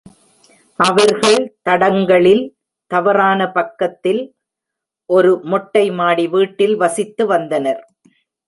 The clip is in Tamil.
அவர்கள் தடங்களின் தவறான பக்கத்தில், ஒரு மொட்டை மாடி வீட்டில் வசித்து வந்தனர்